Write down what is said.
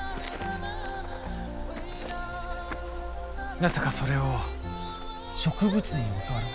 まさかそれを植物に教わるなんて。